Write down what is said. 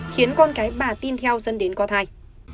khiến con cái bà tin theo dân đến có thai